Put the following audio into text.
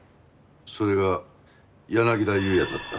それが柳田裕也だった。